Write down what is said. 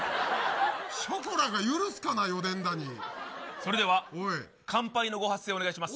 ショコラが許すかなそれでは乾杯のご発声、お願いします。